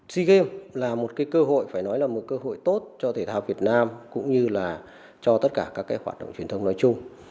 sea games là một cơ hội tốt cho thể thao việt nam cũng như cho tất cả các hoạt động truyền thông nói chung